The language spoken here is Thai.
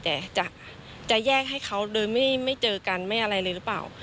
แต่จะแยกให้เขาโดยไม่เจอกันไม่อะไรเลยหรือเปล่า